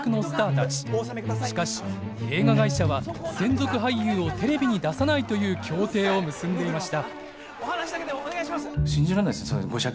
しかし映画会社は専属俳優をテレビに出さないという協定を結んでいました。